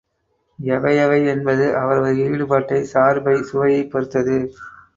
எவை எவை என்பது, அவரவர் ஈடுபாட்டை, சார்பை, சுவையைப் பொருத்தது.